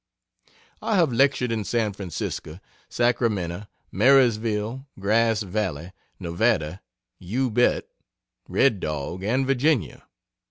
I have lectured in San Francisco, Sacramento, Marysville, Grass Valley, Nevada, You Bet, Red Dog and Virginia.